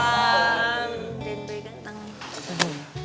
ben baik baik entang